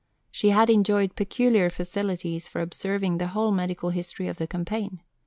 She had enjoyed peculiar facilities for observing the whole medical history of the campaign.